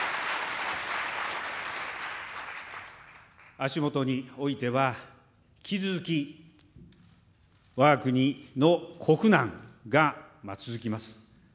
足元においては、引き続き、わが国の国難が続きます。